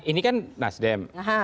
ini kan nasdem